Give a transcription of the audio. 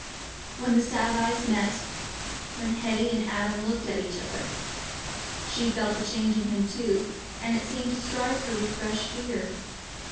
When the sad eyes met—when Hetty and Adam looked at each other—she felt the change in him too, and it seemed to strike her with fresh fear.